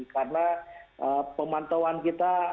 karena pemantauan kita